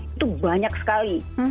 itu banyak sekali